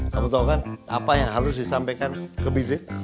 kamu tau kan apa yang harus disampaikan ke bidin